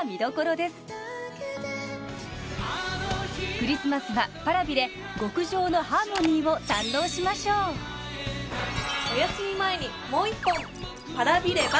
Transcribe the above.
クリスマスはＰａｒａｖｉで極上のハーモニーを堪能しましょうおやすみ前にもう一本Ｐａｒａｖｉれば